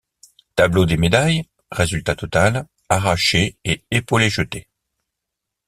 Tableau des médailles: Résultat total, Arraché et Epaulé-jeté.